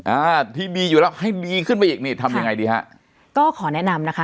อ่าที่ดีอยู่แล้วให้ดีขึ้นไปอีกนี่ทำยังไงดีฮะก็ขอแนะนำนะคะ